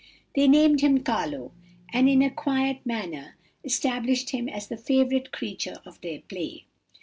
They named him 'Carlo,' and in a quiet manner established him as the favourite creature of their play.